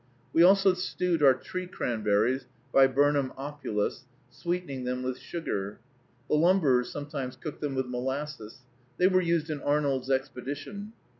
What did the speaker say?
We also stewed our tree cranberries (Viburnum opulus), sweetening them with sugar. The lumberers sometimes cook them with molasses. They were used in Arnold's expedition.